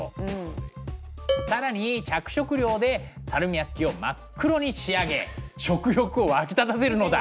更に着色料でサルミアッキを真っ黒に仕上げ食欲を湧き立たせるのだ。